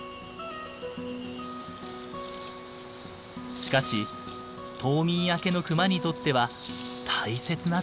しかし冬眠明けのクマにとっては大切な食料です。